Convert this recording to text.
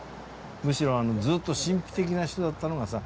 むしろあのずっと神秘的な人だったのがさ